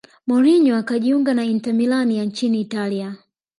mourinho akajiunga na inter milan ya nchini italia